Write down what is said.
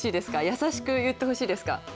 優しく言ってほしいですか？